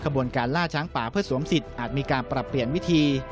บนการล่าช้างป่าเพื่อสวมสิทธิอาจมีการปรับเปลี่ยนวิธี